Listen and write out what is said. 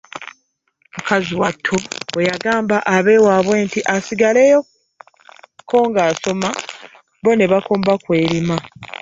Mukazi wattu bwe yagamba ab'ewaabwe nti asigalengayoko ng'asoma bo ne bakomba kw'erima.